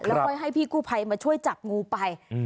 แล้วให้พี่กู้ไพมาช่วยจับงูไป